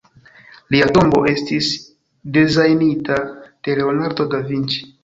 Lia tombo estis dezajnita de Leonardo da Vinci.